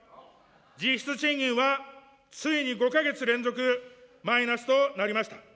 実質賃金はついに５か月連続マイナスとなりました。